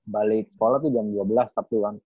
balik pola tuh jam dua belas sabtu kan